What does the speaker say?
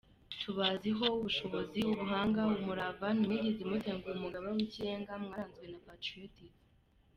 Tubiziho ubushobozi, ubuhanga, umurava, Ntimwigeze mutenguha Umugaba w’Ikirenga mwaranzwe na Patriotism.